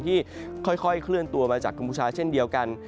ที่ค่อยเคลื่อนตัวมาจากกัมพูชาเช่นเดียวกัน